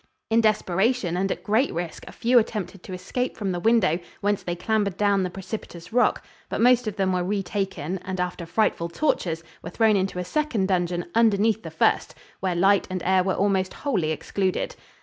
In desperation and at great risk, a few attempted to escape from the window, whence they clambered down the precipitous rock; but most of them were re taken, and after frightful tortures were thrown into a second dungeon underneath the first, where light and air were almost wholly excluded.